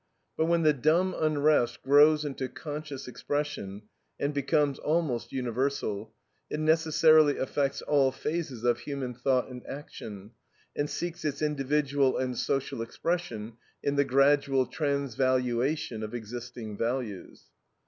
But when the dumb unrest grows into conscious expression and becomes almost universal, it necessarily affects all phases of human thought and action, and seeks its individual and social expression in the gradual transvaluation of existing values.